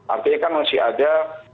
artinya kan masih ada